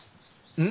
うん。